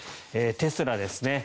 テスラですね。